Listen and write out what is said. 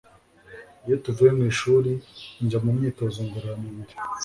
iyo tuvuye mu ishuri njya mu myitozo ngororamubiri